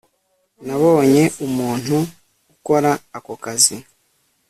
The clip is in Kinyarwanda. Nabonye umuntu ukora ako kazi